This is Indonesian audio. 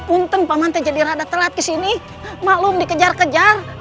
untung paman teh jadi rada telat kesini malu dikejar kejar